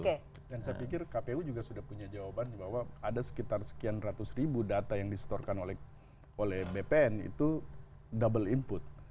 dan saya pikir kpu juga sudah punya jawaban bahwa ada sekitar sekian ratus ribu data yang disetorkan oleh bpn itu double input